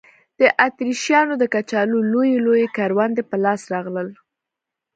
د اتریشیانو د کچالو لوی لوی کروندې په لاس راغلل.